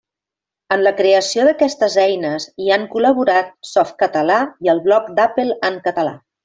En la creació d'aquestes eines hi han col·laborat Softcatalà i el Bloc d'Apple en català.